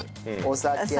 お酒。